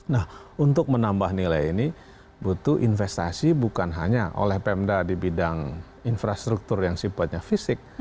nah untuk menambah nilai ini butuh investasi bukan hanya oleh pemda di bidang infrastruktur yang sifatnya fisik